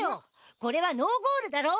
これはノーゴールだろ！